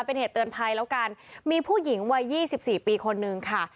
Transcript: เป็นเหตุเตือนภัยแล้วกันมีผู้หญิงวัย๒๔ปีคนนึงค่ะ